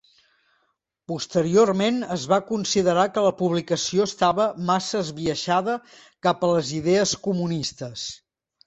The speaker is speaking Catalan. Posteriorment es va considerar que la publicació estava massa esbiaixada cap a les idees comunistes.